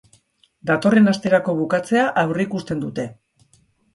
Datorren asterako bukatzea aurreikusten dute.